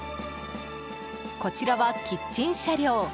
こちらはキッチン車両。